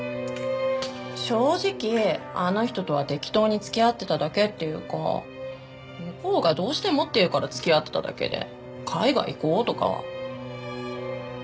正直あの人とは適当に付き合ってただけっていうか向こうがどうしてもっていうから付き合ってただけで海外行こうとかは。